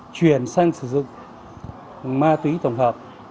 chuyển sang sử dụng ma túy tổng hợp